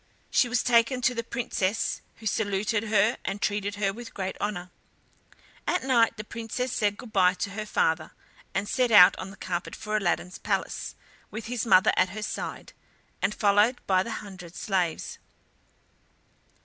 She was taken to the Princess, who saluted her and treated her with great honour. At night the princess said good bye to her father, and set out on the carpet for Aladdin's palace, with his mother at her side, and followed by the hundred slaves.